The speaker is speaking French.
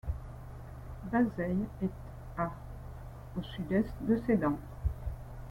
Bazeilles est à au sud-est de Sedan.